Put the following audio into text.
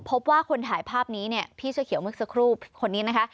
พบว่าคนถ่ายภาพนี้พี่ช่วยเขียวเมื่อกสักรูปคนนี้นะคะ